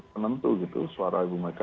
penentu gitu suara ibu mega